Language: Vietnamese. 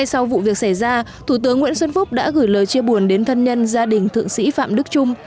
sau vụ việc xảy ra thủ tướng nguyễn xuân phúc đã gửi lời chia buồn đến thân nhân gia đình thượng sĩ phạm đức trung